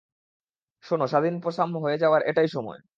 শোন, স্বাধীন পসাম হয়ে যাওয়ার এটাই সময়।